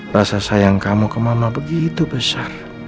rasa sayang kamu ke mama begitu besar